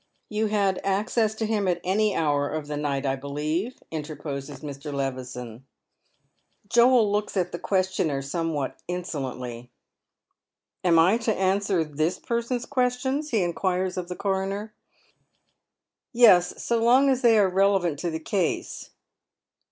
" You had access to him at any hour of the night, I believe ?" interposes Mi . Levison. Joel looks at the questioner somewhat insolently. " Am I to answer this person's questions ?" he inquires of the coroner. " Yes, so long as they are relevant to the case."